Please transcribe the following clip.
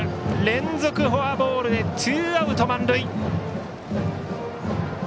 連続フォアボールでツーアウト満塁。